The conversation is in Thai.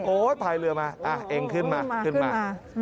พายเรือมาเองขึ้นมาขึ้นมา